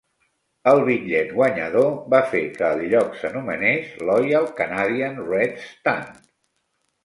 El bitllet guanyador va fer que el lloc s'anomenés "Loyal Canadian Red Stand".